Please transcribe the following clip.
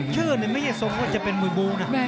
ชื่อไม่ใช่แสดงจะเป็นบุ่ม